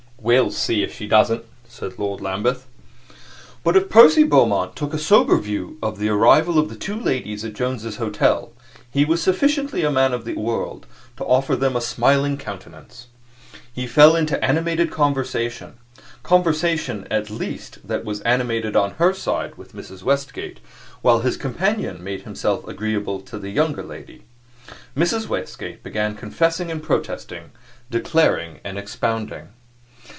"We'll see if she doesn't," said Lord Lambeth. But if Percy Beaumont took a somber view of the arrival of the two ladies at Jones's Hotel, he was sufficiently a man of the world to offer them a smiling countenance. He fell into animated conversation conversation, at least, that was animated on her side with Mrs. Westgate, while his companion made himself agreeable to the younger lady. Mrs. Westgate began confessing and protesting, declaring and expounding.